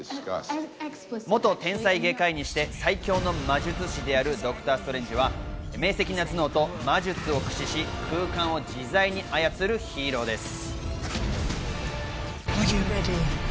元天才外科医にして最強の魔術師であるドクター・ストレンジは明晰な頭脳と魔術を駆使し、空間を自在に操るヒーローです。